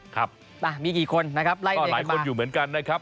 ก็หลายคนอยู่เหมือนกันครับ